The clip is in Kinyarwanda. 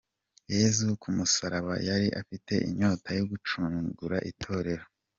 Yesu ku musaraba yari afite inyota yo gucungura itorero.